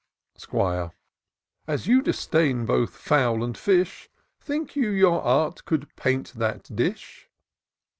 'Squire. As you disdain both fowl and fish. Think you your art could paint that dish